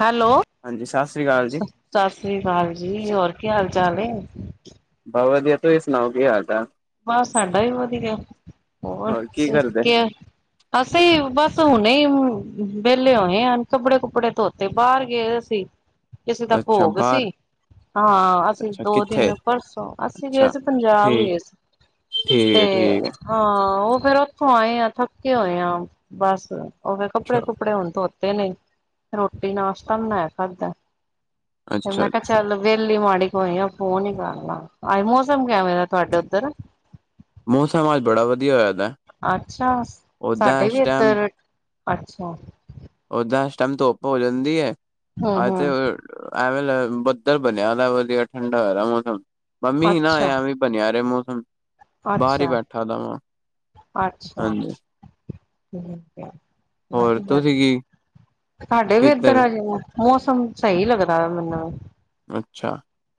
Hello ਹਾਂਜੀ ਸਤਿ ਸ਼੍ਰੀ ਅਕਾਲ ਜੀ। ਸਤਿ ਸ੍ਰੀ ਅਕਾਲ ਜੀ ਹੋਰ ਕੀ ਹਾਲ ਚਾਲ ਹੈ। ਬਸ ਵਧੀਆ ਤੁਸੀਂ ਸੁਣਾਓ ਕੀ ਹਾਲ ਚਲ ਬਸ ਸਾਡਾ ਵੀ ਵਧੀਆ ਹੋਰ ਕੀ ਟੇਕ ਕਰਦੇ ਕੇਅਰ। ਅਸੀਂ ਬਸ ਹੁਣੇ ਵਿਹਲੇ ਹੋਏ ਕੱਪੜੇ ਕੁੱਪੜੇ ਧੋਤੇ ਬਾਹਰ ਗਏ ਹੋਏ ਸੀ। ਕਿਸੇ ਦਾ ਅੱਛਾ ਭੋਗ ਬਾਹਰ ਸੀ। ਹਾਂ ਅਸੀਂ ਅੱਛਾ ਦੋ ਕਿੱਥੇ ਦਿਨ ਪਰਸੋਂ ਅਸੀਂ ਗਏ ਅੱਛਾ ਸੀ ਪੰਜਾਬ ਠੀਕ ਗਏ ਸੀ। ਤੇ ਠੀਕ ਹੈ ਠੀਕ ਹਾਂ ਉਹ ਫਿਰ ਉਥੋਂ ਆਏ ਆ ਥੱਕੇ ਹੋਏ ਆ ਬਸ ਉਹ ਵੇ ਹੈ ਕੱਪੜੇ ਕੁੱਪੜੇ ਹੁਣ ਧੋਤੇ ਨੇ ਰੋਟੀ ਨਾਸ਼ਤਾ ਬਨਾਇਆ ਖਾਦਾ। ਅੱਛਾ ਮੈਂ ਕਿਹਾ ਅੱਛਾ ਚਲ ਵੇਲੀ ਮਾੜੀ ਕੋਈ ਆ ਫੋਨ ਹੀ ਕਰ ਲੈ ਆਏ ਮੌਸਮ ਕਿਵੇ ਦਾ ਤੁਹਾਡੇ ਉਧਰ- ਮੌਸਮ ਅੱਜ ਬੜਾ ਵਧੀਆ ਹੋਇਆ ਦਾ ਅੱਛਾ ਓਦਾਂ ਸਾਡੇ ਇਸ ਵੀ ਟਾਈਮ ਇੱਧਰ ਅੱਛਾ ਉਦਾਂ ਇਸ ਟਾਈਮ ਧੁੱਪ ਹੋ ਜਾਦੀ ਹੈ। ਹੂੰ ਹੂੰ [unintelligible] ਐਵੇ ਬੱਦਲ ਬਣਿਆ ਦਾ ਵਧੀਆ ਠੰਡਾ ਹੋ ਆਦਾ ਮੌਸਮ ਮੰਮੀ ਨਾ ਅੱਛਾ ਆਵੇ- ਬਣਿਆ ਰਹੇ ਮੌਸਮ ਬਾਹਰ ਹੀ ਅੱਛਾ ਬੈਠਾ ਦਾ ਵਾ- ਅੱਛਾ ਠੀਕ ਹੈ। ਹੋਰ ਵਧੀਆ ਤੁਸੀਂ ਕੀ। ਸਾਡੇ ਵੀ ਇੱਧਰ ਕਿੱਧਰ ਹੈਗੇ ਮੌਸਮ ਸਹੀ ਲੱਗਦਾ ਮੈਨੂੰ- ਅੱਛਾ।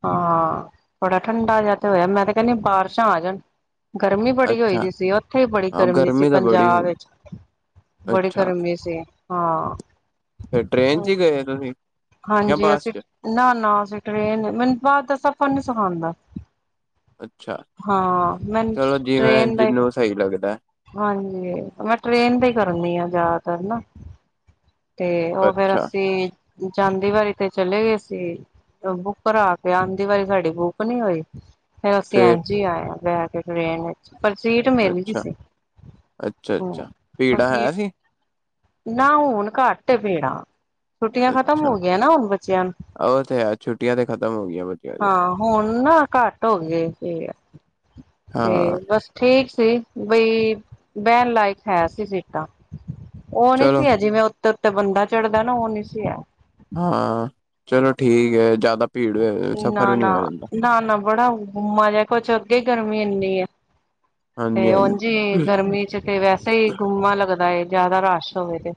ਹਾਂ ਬੜਾ ਠੰਡਾ ਜਿਹਾ ਤੇ ਹੋਇਆ ਮੈ ਤੇ ਕਹਿੰਦੀਆ ਬਾਰਿਸ਼ਾਂ ਆ ਜਾਣ- ਗਰਮੀ ਬੜੀ ਹੋਈ ਅੱਛਾ ਦੀ ਸੀ ਉਥੇ ਹੀ ਬੜੀ ਹਾਂ ਗਰਮੀ ਸੀ ਤਾਂ ਬੜੀ ਪੰਜਾਬ ਹੋਈ ਵਿਚ- ਬੜੀ ਅੱਛਾ ਗਰਮੀ ਸੀ ਹਾਂ। ਫਿਰ ਟ੍ਰੇਨ 'ਚ ਹੀ ਗਏ ਤੁਸੀਂ ਜਾਂ ਹਾਂਜੀ ਬੱਸ ਅਸੀਂ ਚ ਨਾ- ਨਾ ਅਸੀਂ ਟਰੇਨ ਮੈਨੂੰ ਬਾਹਰ ਦਾ ਸਫ਼ਰ ਨੀ ਸਿਖਾਉਦਾ- ਅੱਛਾ ਹਾਂ ਮੈਨੂੰ ਟ੍ਰੇਨ ਦਾ ਇੱਕ ਸਈ ਲੱਗਦਾ- ਹਾਂਜੀ ਮੈ ਟ੍ਰਰੇਨ ਤੇ ਹੀ ਕਰਨੀ ਆ ਜਿਆਦਾ ਤਰ ਨਾ- ਤੇ ਉਹ ਫਿਰ ਅੱਛਾ ਅਸੀਂ ਜਾਦੀ ਵਾਰੀ ਤੇ ਚਲੇ ਗਏ ਸੀ। ਬੁੱਕ ਕਰਾ ਕੇ ਆਉਦੀ ਵਾਰੀ ਸਾਡੀ ਬੁੱਕ ਨੀ ਹੋਈ। ਫਿਰ ਅਸੀਂ ਫੇਰ ਐਜੀ ਆਏ ਹੈ ਬਹਿ ਕੇ ਟ੍ਰੇਨ ਵਿਚ ਪਰ ਸੀਟ ਮਿਲ ਗਈ ਅੱਛਾ ਸੀ। [unintelligible] ਹੂੰ ਭੀੜਾ ਅਸੀਂ ਹੈ ਸੀ ਨਾ ਹੁਣ ਘੱਟ ਭੀੜਾਂ- ਛੁੱਟੀਆਂ ਖਤਮ ਹੋ ਅੱਛਾ ਗਈਆਂ ਨਾ ਹੁਣ ਬੱਚਿਆਂ ਨੂੰ- ਉਹ ਤੇ ਹੈ ਛੁੱਟੀਆਂ ਤੇ ਖਤਮ ਹੋ ਗਈਆਂ ਬੱਚਿਆਂ ਦੀਆਂ ਹਾਂ ਹੁਣ ਨਾ ਘੱਟ ਹੋ ਗਏ ਇਹ ਭੀੜ- ਤੇ ਹਾਂ ਬਸ ਠੀਕ ਸੀ ਬਈ ਬਹਿਣ ਲਾਇਕ ਹੈ ਸੀ ਸੀਟਾ- ਉਹ ਨੀ ਚਲੋ ਸੀ ਹੈ ਜਿਵੇ ਉਤੇ- ਉਤੇ ਬੰਦਾ ਚੜ੍ਹਦਾ ਨਾ ਉਹ ਨੀ ਸੀ ਹੈ। ਹਾਂ ਚਲੋ ਠੀਕ ਹੈ ਜਿਆਦਾ ਨਾ- ਨਾ- ਨਾ- ਨਾ ਬੜਾ ਜਿਹਾ ਗੁਮਾ ਕੁਛ ਅੱਗੇ ਗਰਮੀ ਇੰਨੀ ਏ- ਤੇ ਹਾਂਜੀ ਹਾਂਜੀ ਉੰਝ ਗਰਮੀ 'ਚ ਤੇ ਵੈਸੇ ਹੀ ਗੁੰਮਾ ਲੱਗਦਾ ਜਿਆਦਾ ਰਸ਼ ਹੋਵੇ ਤੇ-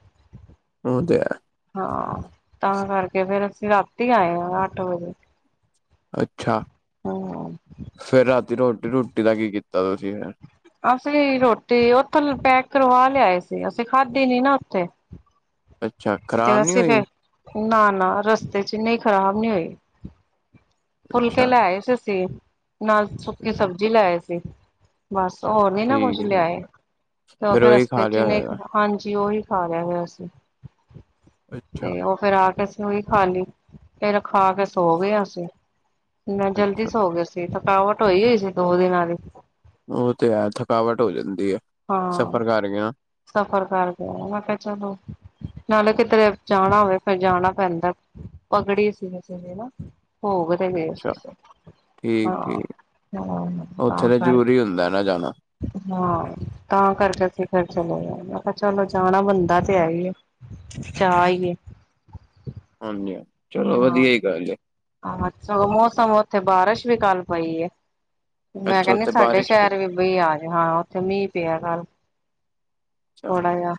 ਓ ਤੇ ਹੈ। ਹਾਂ ਤਾਂ ਕਰਕੇ ਫੇਰ ਅਸੀਂ ਰਾਤੀ ਆਏ ਹਾਂ ਅੱਠ ਵਜੇ। ਅੱਛਾ ਹੂੰ ਫੇਰ ਰਾਤੀ ਰੋਟੀ, ਰੂਟੀ ਦਾ ਕੀ ਕੀਤਾ ਤੁਸੀਂ ਫਿਰ? ਅਸੀਂ ਰੋਟੀ ਓਥੋਂ ਪੈਕ ਕਰਵਾ ਲਿਆਏ ਸੀ ਅਸੀਂ ਖਾਧੀ ਨੀ ਨਾ ਓਥੇ। ਅੱਛਾ ਖਰ ਤੇ ਅਸੀ ਫੇਰ ਨਾ, ਨਾ ਰਸਤੇ ਚ ਨਈ ਖ਼ਰਾਬ ਨਈ ਹੋਈ। ਫੁਲਕੇ ਅੱਛਾ ਲੈਏ ਸੀ ਅਸੀਂ ਨਾਲ ਸੁੱਕੀ ਸਬਜ਼ੀ ਲੈਏ ਸੀ। ਬਸ ਹੋਰ ਨੀ ਨਾ ਕੁਝ ਠੀਕ ਠੀਕ ਲਿਆਏ ਤੇ ਫੇਰ ਉਹੀ ਰਸਤੇ ਖਾ ਚ ਲਿਆ ਨਈ ਹੋਏਗਾ ਹਾਂਜੀ ਓਈ ਖਾ ਲਾਂਗੇ ਅਸੀਂ। ਤੇ ਅੱਛਾ ਓ ਫੇਰ ਆ ਕੇ ਅਸੀਂ ਓਈ ਖਾ ਲੀ ਫੇਰ ਖਾ ਕੇ ਸੋ ਗਏ ਅਸੀ ਨ ਜਲਦੀ ਅੱਛਾ ਸੋ ਗਏ ਸੀ ਥਕਾਵਟ ਹੋਈ ਹੋਈ ਸੀ ਦੋ ਦਿਨਾਂ ਦੀ। ਓ ਤੇ ਹੈ ਥਕਾਵਟ ਹੋ ਜਾਂਦੀ ਐ। ਹਾਂ। ਸਫ਼ਰ ਕਰ ਕੇ ਮੈਂ ਕਿਆ ਚਲੋ ਨਾਲੇ ਕਿਦਰੇ ਜਾਣਾ ਹੋਵੇ ਫਿਰ ਜਾਣਾ ਪੈਂਦਾ। ਪਗੜੀ ਸੀ ਨਾ [unintelligible] ਭੋਗ ਤੇ ਗਏ ਸੀ ਅੱਛਾ ਅਸੀ। ਠੀਕ ਹਾਂ, ਠੀਕ ਹਾਂ ਤਾਂ ਉੱਥੇ ਕਰ ਜ਼ਰੂਰੀ ਹੁੰਦਾ ਨਾ ਜਾਣਾ ਕੇ ਹਾਂ। ਤਾਂ ਕਰਕੇ ਅਸੀਂ ਫੇਰ ਚਲੇ ਗਏ ਮੈਂ ਕੇਆ ਚਲੋ ਜਾਣਾ ਬਣਦਾ ਤੇ ਹੈ ਈ ਐ। ਚਾਅ ਈ ਏ। ਹਾਂਜੀ, ਹਾਂ ਚਲੋ ਵਧੀਆ ਈ ਗੱਲ ਏ। ਆਹ, ਚਲੋ ਮੌਸਮ ਓਥੇ ਬਾਰਿਸ਼ ਵੀ ਕੱਲ ਪਈ ਏ ਮੈਂ ਅੱਛਾ ਕੈਂਨੀ ਉੱਥੇ ਸਾਡੇ ਬਾਰਿਸ਼ ਸ਼ਹਿਰ ਵੀ ਬਈ ਆਜ ਹਾਂ ਓਥੇ ਮੀਂਹ ਪਿਆ ਕੱਲ ਅੱਛਾ ਥੋੜਾ ਜਿਹਾ।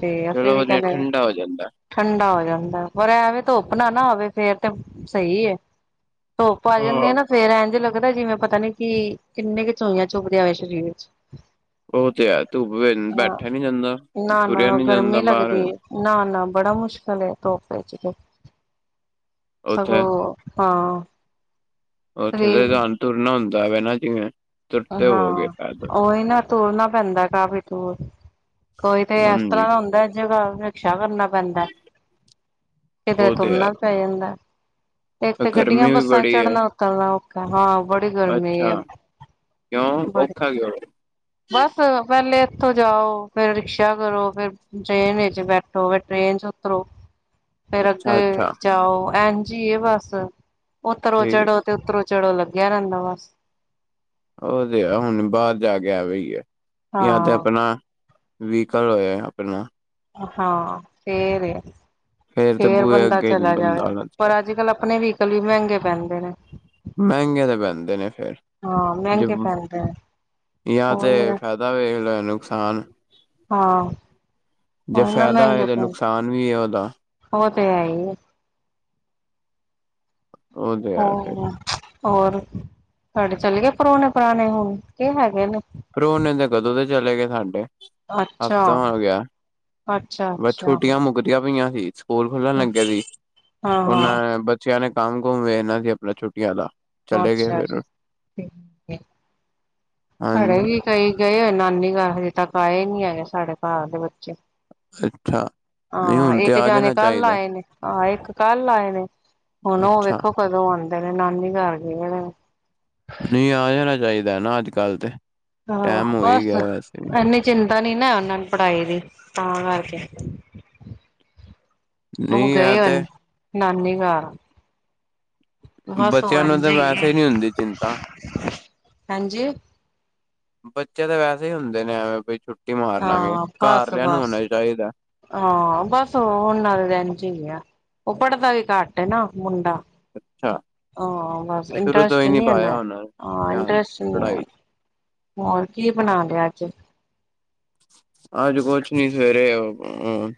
ਤੇ ਅਸੀਂ ਚਲੋ ਵੀ ਵਧੀਆ ਕੈਨੇ ਠੰਡਾ ਹੋ ਜਾਂਦਾ ਠੰਡਾ ਹੋ ਜਾਂਦਾ ਏ ਪਰ ਐਵੇ ਧੁੱਪ ਨਾ, ਨਾ ਹੋਵੇ ਫੇਰ ਤੇ ਸਈ ਏ। ਧੁੱਪ ਆ ਜਾਂਦੀ ਹਾਂ ਆ ਨਾ ਫੇਰ ਐਂਜ ਲੱਗਦਾ ਜਿਵੇਂ ਪਤਾ ਨੀ ਕਿ ਕਿੰਨੇ ਕੇ ਚੋਈਆਂ ਚੁੱਬਦੀਆਂ ਹੋਏ ਸ਼ਰੀਰ ਚ। ਓ ਤੇ ਹੈ ਧੁੱਪ ਵੇੰ ਹਾਂ ਬੈਠਿਆ ਨੀ ਜਾਂਦਾ, ਨਾ ਨਾ ਤੁਰਿਆ ਨੀ ਜਾਂਦਾ ਗਰਮੀ ਬਾਅਰ ਲੱਗਦੀ ਨਾ, ਨਾ ਬੜਾ ਮੁਸ਼ਕਿਲ ਏ ਧੁੱਪ ਇਚ ਤੇ। ਉੱਥੇ ਸਗੋਂ, ਹਾਂ। ਓਥੇ ਤਾਂ ਸਰੀਰ ਤਾਨ ਤੁਰਨਾ ਹੁੰਦਾ ਵਾਂ ਨਾ ਜਿਵੇਂ। ਤੁਰਤੇ ਹੋ ਗਏ ਹਾਂ ਪੈਦਲ ਓਈ ਨਾ। ਤੁਰਨਾ ਪੈਂਦਾ ਏ ਕਾਫੀ ਤੂਰ ਕੋਈ ਤੇ ਏਸ ਤਰ੍ਹਾਂ ਦਾ ਹਾਂਜੀ ਹੁੰਦਾ ਜਗਾ ਰਕਸ਼ਾ ਕਰਨਾ ਪੈਂਦਾ ਕਿਧਰੇ ਉਹ ਤੇ ਹੈ ਤੁਰਨਾ ਪੈ ਜਾਂਦਾ। ਫਿਰ ਤੇ ਗੱਡੀਆਂ, ਗਰਮੀ ਵੀ ਬੱਸਾਂ ਬੜੀ ਹੈ ਚੜਨਾ ਉਤਰਨਾ ਔਖਾ ਏ ਹਾਂ ਬੜੀ ਗਰਮੀ ਅੱਛਾ ਹੈ। ਕਿਉਂ ਬੜੀ ਔਖਾ ਕਿਉ? ਬਸ ਪੈਲੇ ਇੱਥੋਂ ਜਾਓ ਫੇਰ ਰਿਕਸ਼ਾ ਕਰੋ ਫੇਰ ਟਰੇਨ ਵਿੱਚ ਬੈਠੋ ਫੇ ਟ੍ਰੇਨ ਚ ਉਤਰੋ। ਫੇਰ ਅੱਗੇ ਅੱਛਾ ਅੱਛਾ ਜਾਓ ਐਨ ਜੀ ਏ ਬਸ ਉਤਰੋ ਠੀਕ ਚੜੋ ਤੇ ਉੱਤਰੋਂ ਚੜੋ ਲੱਗਿਆ ਰੈਂਦਾ ਬਸ। ਓ ਤੇ ਆ ਹੁਣ ਬਾਅਰ ਜਾ ਕੇ ਐਵੇ ਈ ਐ ਜਾਂ ਤੇ ਹਾਂ ਆਪਣਾ ਵੀਕਲ ਹੋਏ ਆਪਣਾ। ਹਾਂ ਫੇਰ ਏ। ਤੇ ਫੇਰ ਬੂਹੇ ਬੰਦਾ ਅੱਗੇ ਚਲਾ ਜਾਵੇ ਬੰਦਾ ਆਣਾ ਚਾਹੀਦਾ ਪਰ ਅੱਜ ਕੱਲ੍ਹ ਆਪਣੇ ਵਹੀਕਲ ਵੀ ਮਹਿੰਗੇ ਪੈਂਦੇ ਨੇ। ਮਹਿੰਗੇ ਤੇ ਪੈਂਦੇ ਨੇ ਫੇਰ। ਹਾਂ ਮੈਂਗੇ ਪੈਂਦੇ ਨੇ। ਯਾ ਤੇ ਉਹੀ ਨਾ ਫ਼ਾਇਦਾ ਵੇਖ ਲੋਂ ਨੁਕਸਾਨ। ਹਾਂ। ਜੇ ਉਹੀ ਨਾ ਫਾਇਦਾ ਹੈ ਤੇ ਨੁਕਸਾਨ ਵੀ ਹੈ ਉਹਦਾ। ਓ ਤੇ ਹੈ ਹੀ ਏ। ਉਹ ਤੇ ਹੈ ਫਿਰ ਹ ਹੋਰ ਤੁਹਾਡੇ ਚਲੇ ਗਏ ਪਰੌਣੇ ਪੁਰਾਣੇ ਹੁਣ, ਕੀ ਹੈਗੇ ਨੇ। ਪਰੌਣੇ ਤੇ ਕਦੋਂ ਦੇ ਚਲੇ ਗਏ ਸਾਡੇ ਅੱਛਾ ਹਫ਼ਤਾ ਹੋ ਗਿਆ। ਅੱਛਾ ਬਸ ਅੱਛਾ ਛੁੱਟੀਆਂ ਮੁੱਕਦੀਆਂ ਪਈਆਂ ਸੀ ਸਕੂਲ ਖੁਲਣ ਹਾਂ ਲੱਗੇ ਸੀ, ਹਾਂ ਉਹਨਾਂ ਬੱਚਿਆਂ ਨੇ ਕੰਮ ਕੁਮ ਵੇਖਨਾ ਸੀ ਆਪਣਾ ਛੁਟੀਆਂ ਦਾ ਚਲੇ ਗਏ ਅੱਛਾ ਅੱਛਾ ਫਿਰ ਠੀਕ ਐ, ਸਾਡੇ ਹਾਂਜੀ ਵੀ ਕਈ ਗਏ ਹੋ ਨਾਨੀ ਘਾਰ, ਹਜੇ ਤੱਕ ਆਏ ਨੀ ਹੈਗੇ ਸਾਡੇ ਘਾਰ ਦੇ ਬੱਚੇ ਅੱਛਾ ਅੱਛਾ ਹਾਂ ਇੱਕ ਜਾਣੇ ਕੱਲ ਆਾਏ ਨੇ, ਆਹ ਇੱਕ ਕੱਲ ਆਏ ਨੇ ਹੁਣ ਉਹ ਅੱਛਾ ਵੇਖੋ ਕਦੋਂ ਆਉਂਦੇ ਨੇ ਨਾਨੀ ਘਰ ਗਏ ਨੇ ਨਹੀ ਆ ਜਾਣਾ ਚਾਹੀਦਾ ਨਾ ਅੱਜ ਕੱਲ੍ਹ ਤੇ ਹਾਂ ਟੈਮ ਹੋ ਹੀ ਬਸ ਗਿਆ ਵੈਸੇ ਵੀ ਐਨੀੇ ਚਿੰਤਾ ਨੀ ਨਾ ਉਹਨਾਂ ਨੂੰ ਪੜ੍ਹਾਈ ਦੀ, ਤਾਂ ਕਰਕੇ ਉਹ ਨਹੀਂ ਆ ਗਏ ਹੋਏ ਤੇ ਅਨ, ਨਾਨੀ ਘਾਰ ਬੱਚਿਆਂ ਨੂੰ ਇੰਝ ਤੇ ਹੈ ਵੈਸੇ ਹੀ ਨਹੀਂ ਹੁੰਦੀ ਚਿੰਤਾ ਹਾਂਜੀ ਬੱਚੇ ਤਾਂ ਵੈਸੇ ਹੀ ਹੁੰਦੇ ਨੇ ਐਵੇਂ ਬਈ ਛੁੱਟੀ ਮਾਰ ਲਾਗੇ ਹਾਂ ਘਾਰ ਬਸ ਲਿਆਂ ਨੂੰ ਬਸ ਹੋਣਾ ਚਾਹੀਦਾ ਹਾਂ ਬਸ ਉਹ ਉਹਨਾਂ ਦਾ ਤਾਂ ਐਂਜ ਹੀ ਐ, ਉਹ ਪੜਦਾ ਵੀ ਘੱਟ ਹੈ ਨਾ ਮੁੰਡਾ ਅੱਛਾ। ਹਾਂ ਬਸ ਸ਼ੁਰੂ ਤੋਂ ਇੰਟਰਸਟ ਹੀ ਨੀ ਪਾਇਆ ਏਨਾ, ਹੋਣਾ ਧਿਆਨ ਇੰਟਰਸਟ ਨੀ ਐ ਪੜ੍ਹਾਈ ਹੋਰ ਕੀ ਬਣਾ ਲਿਆ ਅੱਜ ਅੱਜ ਕੁਛ ਨੀ, ਸਵੇਰੇ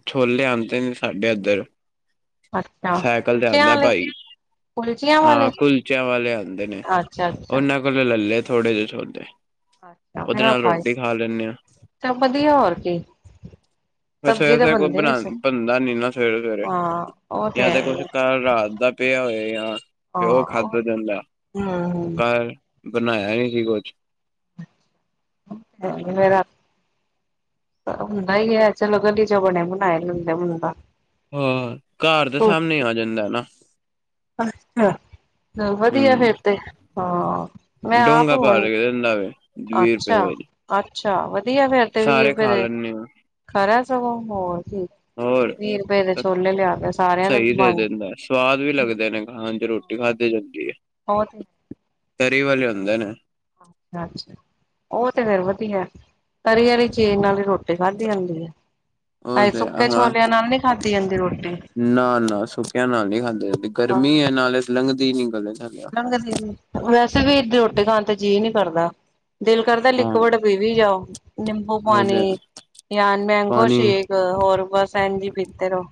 ਛੋਲੇ ਆਉਂਦੇ ਨੇ ਸਾਡੇ ਇੱਧਰ ਅੱਛਾ ਸਾਈਕਲ ਤੇ ਕੁਲਚਿਆਂ ਆਉਂਦਾ ਆਲੇ ਭਾਈ ਕੁਲਚੀਆਂ ਵਾਲੇ ਹਾਂ ਕੁਲਚਿਆਂ ਵਾਲੇ ਆਉਂਦੇ ਨੇ, ਅੱਛਾ ਉਹਨਾਂ ਕੋ ਉਦੋਂ ਲੈ ਲੇ ਥੋੜੇ ਜਿਹੇ ਛੋਲੇ ਪਏ ਉਹਦੇ ਫਿਰ ਔ ਨਾਲ ਖਾਏ, ਰੋਟੀ ਖਾ ਲੈਂਦੇ ਹਾਂ ਟੱਪਦੀ ਐ ਹੋਰ ਕੀ ਫਿਰ ਸਬਜ਼ੀ ਸਵੇਰੇ ਤਾਂ ਸਵੇਰੇ ਕੁਛ ਬਣਦੇ ਬਣਾ ਨੇ ਸ ਬਣਦਾ ਨੀ ਨਾ ਸਵੇਰੇ ਸਵੇਰੇ, ਹਾਂ ਉਹ ਜਾਂ ਹੈ ਤੇ ਕੁਛ ਹੀ ਕੱਲ ਰਾਤ ਦਾ ਪਿਆ ਹੋਏ ਜਾਂ ਤੇ ਉਹ ਖਾਧਾ ਜਾਂਦਾ, ਹਮ ਘ ਬਣਾਇਆ ਈ ਨਹੀ ਕੁਛ ਹਾਂਜੀ ਮੇਰਾ ਹੁੰਦਾ ਈ ਹੈ ਚਲੋ ਗਲੀ ਚੋ ਬਣੇ ਬਣਾਏ ਲੈਂਦਾ ਏ, ਮੁੰਡਾ ਅਹ ਘਾਰ ਦੇ ਸਾਹਮਣੇ ਈ ਆ ਜਾਂਦਾ ਨਾ ਅੱਛਾ ਵਧੀਆ ਹੂੰ ਫੇਰ ਤੇ, ਹਾਂ ਮੈਂ ਆਪ ਹੁਣ ਹੁੰਦਾ ਏ, ਵੀਹ ਰੁਪਏ ਅੱਛਾ ਵੇ ਅੱਛਾ ਵਧੀਆ ਫੇਰ ਤੇ ਵੀਹ ਰੁਪਏ ਦੇ, ਲੈਂਦੇ ਆ ਖਰਾ ਏ ਸਗੋਂ ਹੋਰ ਕੀ ਹੋਰ ਵੀਹ ਰੁਪਏ ਦੇ ਛੋਲੇ ਲਿਆ ਕੇ, ਸਾਰਿਆਂ ਦੇ ਸਹੀ ਵੰਡ ਦਿੰਦਾ ਸਵਾਦ ਵੀ ਲੱਗਦੇ ਨੇ ਖਾਣ ਚ, ਰੋਟੀ ਖਾਧੀ ਜਾਂਦੀ ਹੈ ਹੋਰ ਤਰੀ ਵਾਲੇ ਹੁੰਦੇ ਨੇ ਅੱਛਾ ਅੱਛਾ ਉਹ ਤੇ ਫੇਰ ਵਧੀਆ, ਤਰੀ ਆਲੀ ਚੀਜ਼ ਨਾਲ ਈ ਰੋਟੀ ਰੋਟੀ ਖਾਧੀ ਜਾਂਦੀ ਹੈ, ਉਹ ਹਾਂਜੀ ਤੇ ਸੁੱਕੇ ਹਾਂ ਛੋਲਿਆਂ ਨਾਲ ਨੀ ਖਾਧੀ ਜਾਂਦੀ ਰੋਟੀ ਨਾ ਨਾ ਸੁੱਕਿਆ ਨਾਲ ਨੀ ਖਾਂਦੀ ਜਾਂਦੀ, ਗਰਮੀ ਹੈ ਨਾਲੇ ਲੰਘਦੀ ਨੀ ਗੱਲੇ ਸਾਡੇ ਨਹੀ, ਵੈਸੇ ਵੀ ਰੋਟੀ ਖਾਣ ਤੇ ਜੀਅ ਨੀ ਕਰਦਾ ਦਿਲ ਕਰਦਾ ਲਿਕੁਡ ਪੀ ਵੀ ਜਾਓ ਨਿੰਬੂ ਉਹ ਤੇ ਹੈ ਪਾਣੀ ਯਾ ਮੈਂਗੋ ਪਾਣੀ ਸ਼ੇਕ ਹੋਰ ਬਸ ਐਂਜ ਈ ਪੀਤੇ ਰੋ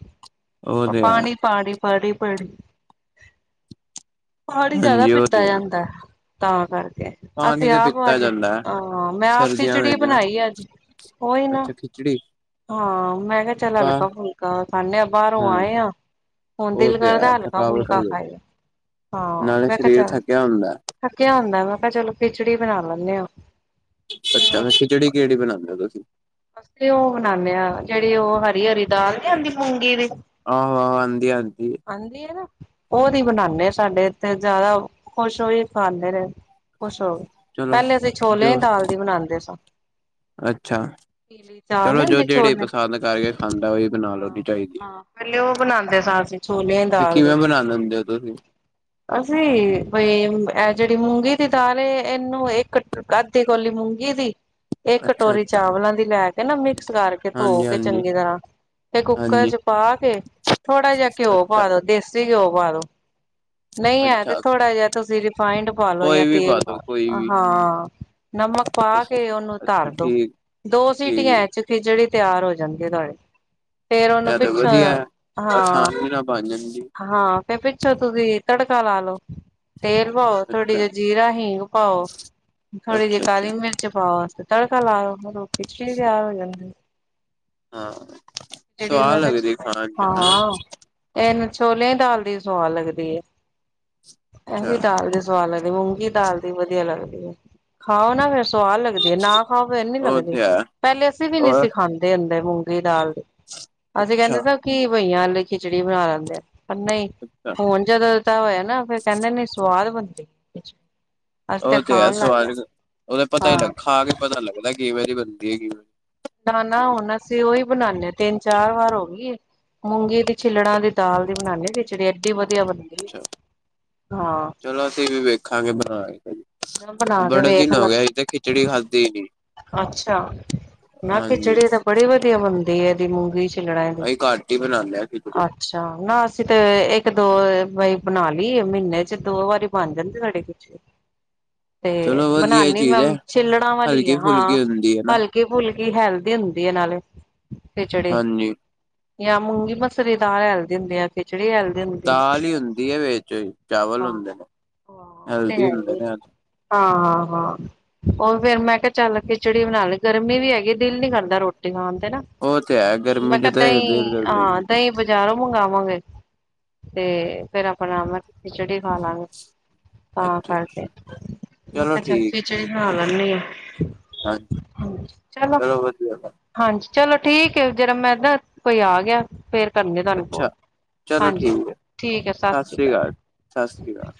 ਉਹ ਤੇ ਹੇ ਪਾਣੀ ਪਾਣੀ ਪੜ ਪਾਣੀ ਜਿਆਦਾ ਹਾਂਜੀ ਉਹ ਪਿਤਾ ਤੇ ਹੈ ਜਾਂਦੇ, ਤਾਂ ਕਰਕੇ ਪਾਣੀ ਅਸੀਂ ਤੇ ਆਪ ਪੀਤਾ ਅੱਜ, ਜਾਂਦਾ ਹੈ ਹਾਂ ਮੈਂ ਆਪ ਸਰਦੀਆਂ ਖਿਚੜੀ ਵਿੱਚ ਨਾ ਬਨਾਈ ਏ ਅੱਜ ਉਈ ਨਾ, ਅੱਛਾ ਖਿਚੜੀ ਹਾਂ ਮੈਂ ਕਿਹਾ ਚਲ ਵਾਹ ਹਲਕਾ ਫੁਲਕ ਕਾ ਖਾਨੇ ਆ ਬਾਹਰੋਂ ਹਾਂ ਆਏ ਆ, ਹੁਨ ਉਹ ਦਿਲ ਤੇ ਕਰਦੇ ਹੈ ਹਲਕਾ ਥਕਾਵਟ ਹੋ ਫੁਲਕਾ ਜਾਂਦੀ। ਖਾਈਏ ਹਾਂ, ਨਾਲੇ ਮੈਂ ਕਿਹਾ ਸਰੀਰ ਚੱਲ, ਥੱਕਿਆ ਹੁੰਦਾ ਥੱਕਿਆ ਹੁੰਦੇ ਮੈਂ ਕਿਹਾ ਚਲੋ ਖਿਚੜੀ ਬਣਾ ਲੈਂਨੇ ਆ ਅੱਛਾ, ਖਿਚੜੀ ਕੇਹੜੀ ਬਨਾਦੇ ੳ ਤੁਸੀਂ ਅਸੀ ਉਹ ਬਨਾਨੇ ਆ ਜੇਹੜੀ ਉਹ ਹਰੀ ਹਰੀ ਦਾਲ ਨੀ ਹੌਂਦੀ ਮੂੰਗੀ ਦੀ ਆਹੋ ਆਹੋ ਆਦੀ ਆਦੀ ਆਹਂਦੀ ਏ ਨਾ? ਉਹਦੀ ਬਨਾਨੇਂ ਆ ਸਾਡੇ ਏਥੇ ਜਿਆਦਾ, ਖੁਸ਼ ਹੋ ੳਈ ਖਾਂਦੇ ਨੇਂ। ਖੁਸ਼ ਹੋ ਕੇ, ਚਲੋ ਪਹਿਲੇ ਅਸੀ ਛੋਲੇ ਆਲੀ ਜੋ ਦਾਲ ਦੀ ਬਨਾਦੇ ਸਾ ਅੱਛਾ ਚਲੋ ਜੋ ਜੇਹੜੀ ਛੋਲੇ ਪਸੰਦ ਕਰਕੇ ਖਾਂਦਾ ਹੈ, ਉਹ ਵੀ ਬਨਾ ਹਾਂ ਲੈਨੀਂ ਚਾਹੀਦੀ ਹਾਂ ਪਹਿਲੇ ਉਹ ਹੈ। ਬਣਾਉਂਦੇ ਸਾਂ ਅਸੀਂ ਛੋਲਿਆਂ ਦੀ ਤੇ ਦਾਲ ਦੀ ਕਿਵੇਂ ਬਨਾ ਲੈਂਦੇ ਹੋ ਤੁਸੀਂ? ਅਸੀਂ! ਬਈ ਇਹ ਜੇਹੜੀ ਮੂੰਗੀ ਦੀ ਦਾਲ ਏ, ਇਹਨੂੰ ਇਕ [inaudible] ਕਾਧੀ ਕੋਲੀ ਮੂੰਗੀ ਦੀ। ਇਹ ਅੱਛਾ ਕਟੋਰੀ ਅੱਛਾ ਚਾਵਲਾਂ ਦੀ ਲੈ ਕੇ ਨਾ। ਮਿਕਸ ਕਰਕੇ, ਧੋ ਹਾਂਜੀ ਕੇ ਹਾਂਜੀ ਚੰਗੀ ਤਰਾਂਹ। ਤੇ ਕੁੱਕਰ ਹਾਂਜੀ ਚ ਪਾ ਕੇ, ਥੋੜਾ ਜਿਹਾ ਘਿਓ ਅੱਛਾ ਪਾ ਦੋ, ਦੇਸੀ ਘਿਓ ਪਾ ਦੋ। ਨਹੀਂ ਹੈ, ਤੇ ਅੱਛਾ ਥੋੜਾ ਜੇਹਾ ਤੁਸੀ ਰਿਫਾਈਡ ਪਾ ਲੋ ਯਾਂ ਕੋਈ ਵੀ ਤੇਲ ਪਾ ਦੋ ਕੋਈ ਲੋ, ਵੀ ਅਹਾਂ ਨਮਕ ਪਾ ਕੇ ਉਹਨੂੰ ਅੱਛਾ ਧਰ ਠੀਕ ਦੋ। ਠੀਕ ਦੋ ਇਹ ਸੀਟੀਆਂ ਚ ਹੀ ਖਿਜੜੀ ਤਿਆਰ ਹੋ ਜਾਂਦੀ ਤੁਹਾਡੀ। ਫੇਰ ਉਹਨੂੰ ਪਿੱਛੋਂ, ਹਾਂ! ਬਨ ਜਾਂਦੀ ਹਾਂ, ਤੇ ਪਿੱਛੋ ਤੁਸੀ ਤੜਕਾ ਲਾ ਲਓ। ਤੇਲ ਪਾਓ, ਥੋੜੀ ਅੱਛਾ ਜਿਹੀ ਜੀਰਾ ਹੀਂਗ ਪਾਓ, ਥੋੜੀ ਜਿਹੀ ਅੱਛਾ ਅੱਛਾ ਕਾਲੀ ਮਿਰਚ। ਚ ਪਾਓ ਤੇ ਤੜਕਾ ਲਾਓ [inaudible] ਖਿਚੜੀ ਤਿਆਰ ਹੋ ਜਾਂਦੀ ਏ। ਹਾਂ ਜੇਹੜੀ ਸਵਾਦ [unintelligible] ਲੱਗਦੀ ਖਾਣ ਚ ਹਨਾ ਹਾਂ-ਹਾਂ। ਇਹਨੂੰ ਛੋਲਿਆਂ ਦੀ ਦਾਲ ਦੀ ਸੁਆਦ ਲੱਗਦੀ ਏ। ਇਹ ਵੀ ਅੱਛਾ ਦਾਲ ਦੀ ਸੁ ਸੁਵਾਦ ਲੱਗਦੀ, ਮੂੰਗੀ ਦਾਲ ਦੀ ਵੀ ਵਧੀਆ ਲੱਗਦੀ ਏ। ਖਾਓ ਨਾ, ਫੇਰ ਸੁਵਾਦ ਲੱਗਦੀ। ਜੇ ਨਾ ਖਾਉ ਫੇਰ ਨੀ ਉਹ ਲੱਗਦੀ, ਤੇ ਹੈ ਪਹਿਲੇ ਅਸੀ ਵੀ ਨਹੀਂ ਹੋਰ ਸੀ ਖਾਂਦੇ ਹੁੰਦੇ ਮੂੰਗੀ ਦਾਲ ਦੀ। ਅਸੀਂ ਅੱਛਾ ਕਹਿੰਦੇ ਕੀ ਬਈਆਂ ਆਲੀ ਖਿਚੜੀ ਬਨਾ ਲੈਂਦੇ ਏਂ। ਪਰ ਨਹੀਂ, ਅੱਛਾ ਹੁਨ ਜਦੋ ਇੱਹਦਾਂ ਹੋਇਆ ਨਾ, ਫਿਰ ਕਹਿੰਦੇ ਨੇਂ ਸੁਵਾਦ ਬਨਦੀ ਖਿਚ ਉਹ ਤੇ ਹੈ [unintelligible] ਓਹਦਾ ਪਤਾ ਹਾਂ [unintelligible] ਖਾ ਕੇ ਪਤਾ ਲੱਗਦਾ ਏ, ਕਿਵੇਂ ਦੀ ਬਨਦੀ ਹੈ। ਕਿਵੇਂ ਨਾ-ਨਾ, ਹੁਨ ਅਸੀ ਉਹੀ ਬਨਾਨੇਂ ਆ, ਤਿੰਨ ਚਾਰ ਵਾਰ ਹੋ ਗੀ ਏ। ਮੂੰਗੀ ਦੀ ਛਿੱਲੜਾਂ ਦੀ ਦਾਲ ਦੀ ਬਣਾਨੇਂ ਹੈਂ ਖਿਚੜੀ ਏਹਡੀ ਵਧੀਆ ਬਨਦੀ ਏ, ਅੱਛਾ ਹਾਂ। ਚਲੋ ਅਸੀ ਵੀ ਵੇਖਾਂਗੇ ਬਨਾ ਕੇ। ਨਾ ਬਣਾ ਕੇ ਬੜੇ ਦਿਨ ਹੋ ਵੇਖਣਾ ਗਏ, ਅਸੀ ਤੇ ਖਿਚੜੀ ਖਾਦੀ ਈ ਨੀ। ਅੱਛਾ ਨਾ ਹਾਂਜੀ ਖਿਚੜੀ ਤਾ ਬੜੀ ਵਧੀਆ ਬੰਦੀ ਏ, ਇਹਦੀ ਮੂੰਗੀ ਦੀ ਛਿੱਲੜਾਂ ਦੀ, ਅਸੀਂ ਘੱਟ ਹੀ ਬਣਾਉਂਦੇ ਹਾਂ ਖਿਚੜੀ ਆਹੋ ਅੱਛਾ! ਨਾ ਅਸੀ ਤੇ ਇੱਕ ਦੋ ਬਾਰੀ ਬਨਾ ਲਈ ਏ। ਮਹੀਨੇ ਚ ਦੋ ਵਾਰੀ ਬਨ ਜਾਂਦੀ ਸਾਡੇ ਖਿਚੜੀ। ਤੇ ਚਲੋ ਵਧੀਆ ਬਨਾਨੀਂ ਚੀਜ਼ ਮੈਂ ਹੈ ਛਿੱਲੜਾਂ ਵਾਲੀ ਹੀ ਹਲਕੀ ਹਾਂ, ਹਾਂ। ਫੁਲਕੀ ਹੁੰਦੀ ਹੈ ਨਾ ਹਲਕੀ ਫੁਲਕੀ, ਹੈਲਦੀ ਹੁੰਦੀ ਹੈ ਨਾਲੇ। ਹਾਂਜੀ ਯਾਂ ਮੂੰਗੀ ਮਸਰੀ ਦਾਲ ਹੈਲਦੀ ਹੁੰਦੀ ਏ। ਦਾਲ ਈ ਹੁੰਦੀ ਹੈ ਵਿਚ, ਚਾਵਲ ਹਾਂ। ਹੁੰਦੇ ਨੇਂ। ਹੈਲਦੀ ਹੁੰਦੇ ਨੇ ਹਾਂ-ਹਾਂ-ਹਾਂ। ਹੁਨ ਫਿਰ ਮੈਂ ਕਿਹਾ ਚੱਲ ਖਿਚੜੀ ਹੀ ਬਨਾ ਲੇ। ਗਰਮੀ ਵੀ ਹੈਗੀ ਏ। ਦਿਲ ਨੀ ਕਰਦਾ ਰੋਟੀ ਖਾਨ ਤੇ ਨਾ। ਉਹ ਤੇ ਹੈ ਮੈਂ ਗਰਮੀ ਤਾ ਚ ਤੇ ਦਿਲ ਦਹੀ, ਕਰਦਾ ਹੀ ਆਂਹ ਦਹੀਂ ਬਜਾਰੋ ਮੰਗਵਾਂਗੇ। ਤੇ ਫੇਰ ਆਪਣਾ ਮੈਂ ਖਿਚੜੀ ਖਾਵਾਂਗੇ, ਤਾਂ ਅੱਛਾ ਕਰਕੇ। ਮੈਂ ਚਲੋ ਕਿਹਾ ਛੱਡ ਠੀਕ ਖਿਚੜੀ ਖਣਾ ਲੈਨੀ ਆਂ। ਹਾਂਜੀ ਹੂੰ ਚਲੋ! ਹਾਂਜੀ, ਚਲੋ ਠੀਕ ਏ। ਜਰਾ ਮੈਂ ਦਾ, ਕੋਈ ਆ ਗਿਆ। ਫੇਰ ਕਰਨੀਂਆਂ ਤੁਹਾਨੂੰ ਕੌਲ। ਅੱਛਾ ਚਲੋ ਹਾਂਜੀ! ਠੀਕ ਹੈ ਠੀਕ ਏ, ਸਤਿ ਸ੍ਰੀ ਅਕਾਲ। ਸਤਿ ਸ਼੍ਰੀ ਅਕਾਲ।